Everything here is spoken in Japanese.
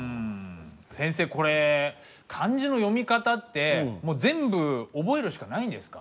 先生これ漢字の読み方ってもう全部覚えるしかないんですか？